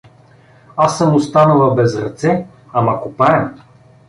Аз съм останала без ръце, ама копаем.